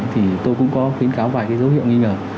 thì tôi cũng có khuyến cáo vài cái dấu hiệu nghi ngờ